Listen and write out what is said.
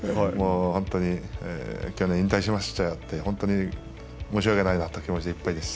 本当に、去年引退しちゃって本当に申し訳ないなという気持ちでいっぱいです。